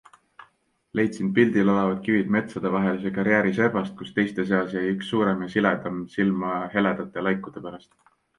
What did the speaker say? Leidsin pildil olevad kivid metsade vahelise karjääri servast, kus teiste seas jäi üks suurem ja siledam silma heledate laikude pärast.